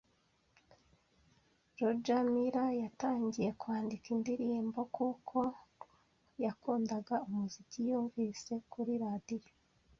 Roger Miller yatangiye kwandika indirimbo kuko yakundaga umuziki yumvise kuri radio.